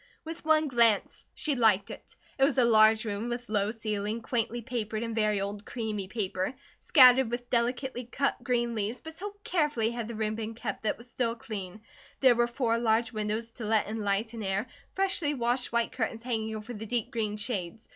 With one glance, she liked it. It was a large room with low ceiling, quaintly papered in very old creamy paper, scattered with delicately cut green leaves, but so carefully had the room been kept, that it was still clean. There were four large windows to let in light and air, freshly washed white curtains hanging over the deep green shades.